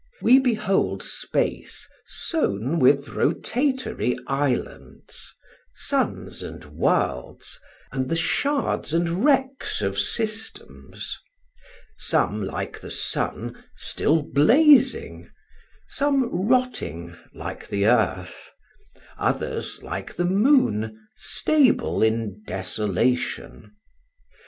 We behold space sown with rotatory islands; suns and worlds and the shards and wrecks of systems: some, like the sun, still blazing; some rotting, like the earth; others, like the moon, stable in desolation.